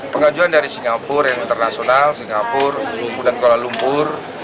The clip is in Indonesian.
pengajuan dari singapura internasional singapura kuala lumpur